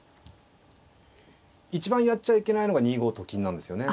一番やっちゃいけないのが２五と金なんですよね。